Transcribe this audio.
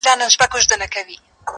• پر دې لار تر هیڅ منزله نه رسیږو -